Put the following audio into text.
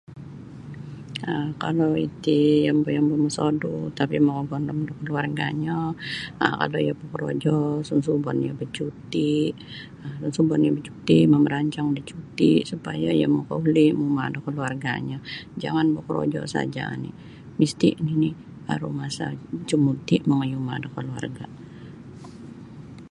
um Kalau iti yombo'-yombo' mosodu' tapi makagondom da kaluarga'nyo um adai iyo bokorojo sunsubon iyo bacuti' um sunsubon iyo bacuti' mamarancang da cuti' supaya iyo makauli' muuma' da kaluarga'nyo jangan bokorojo saja' oni' misti' nini' aru masa cumuti' mongoi uma' da kaluarga'.